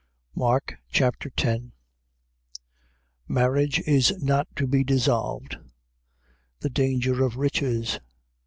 Mark Chapter 10 Marriage is not to be dissolved. The danger of riches.